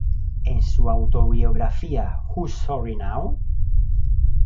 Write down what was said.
En su autobiografía "Who's Sorry Now?